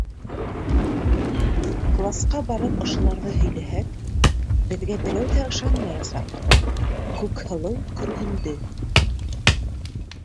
Класҡа барып ошоларҙы һөйләһәк, беҙгә берәү ҙә ышанмаясаҡ, - Күкһылыу көрһөндө.